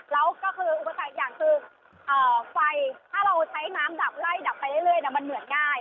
แล้วก็คืออุปสรรคอย่างคือไฟถ้าเราใช้น้ำดับไล่ดับไปเรื่อยมันเหมือนง่าย